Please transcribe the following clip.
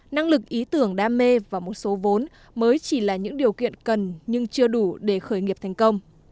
năng lực ý tưởng đam mê và một số vốn mới chỉ là những điều kiện cần nhưng chưa đủ để khởi nghiệp thành công